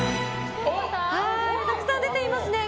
たくさん出ていますね。